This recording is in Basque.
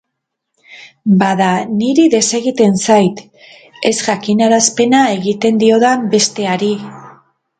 Bada, niri desegiten zait, ez jakinarazpena egiten diodan beste hari.